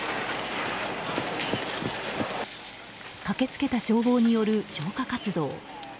駆け付けた消防による消火活動。